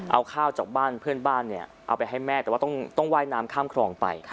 เอาข้าวจากบ้านเพื่อนบ้านเนี่ยเอาไปให้แม่แต่ว่าต้องว่ายน้ำข้ามคลองไป